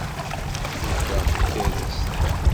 Cuddeɣ tikerrist.